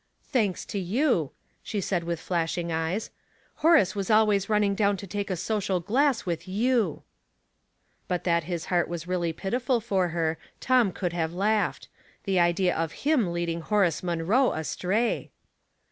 " Thanks to you," she said, with flashing eyes. " Horace was always running down to take a social glass with t/ou.'* But that his heart was really pitiful for her, Tom could have laughed ; the idea of him lead ing Horace Munroe astray